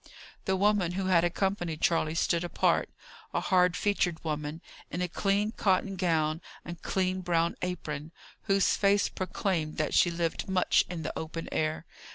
The woman who had accompanied Charley stood apart a hard featured woman, in a clean cotton gown, and clean brown apron, whose face proclaimed that she lived much in the open air.